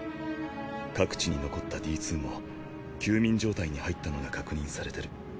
各地に残ったＤ２も休眠状態に入ったのが確認されてる。